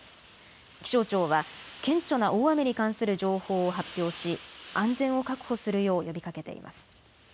気象庁は顕著な大雨に関する情報を発表し安全を確保するよう呼びかけています。